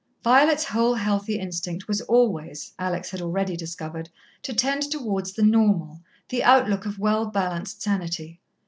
Violet's whole healthy instinct was always, Alex had already discovered, to tend towards the normal the outlook of well balanced sanity.